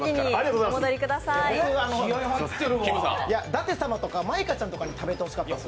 舘様とか舞香ちゃんとかに食べてほしかったのよ。